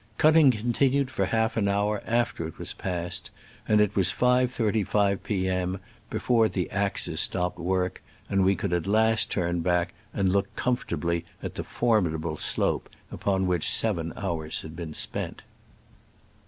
Cutting continued for half an hour after it was passed, and it was 5.35 p. M. before the axes stopped work, and we could at last turn back and look comfortably at the formidable slope upon which seven hours had been spent.